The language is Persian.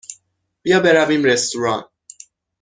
بیا برویم رستوران.